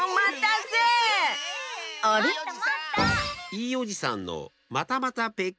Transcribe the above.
いいおじさんのまたまたペッコリじまん。